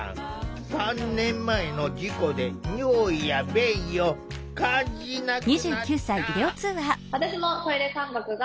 ３年前の事故で尿意や便意を感じなくなった。